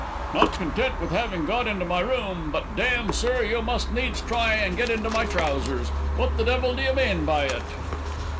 "Not content with having got into my room, but damme, sir, you must needs try and get into my trousers. What the devil do you mean by it?"